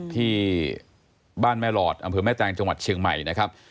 ที่บ้านแม่หลอดอำเภอแม่แตงจังหวัดเชียงใหม่นะครับ